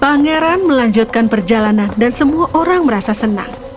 pangeran melanjutkan perjalanan dan semua orang merasa senang